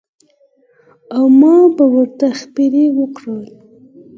او ما به ورته څپېړې ورکولې.